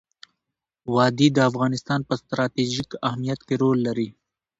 وادي د افغانستان په ستراتیژیک اهمیت کې رول لري.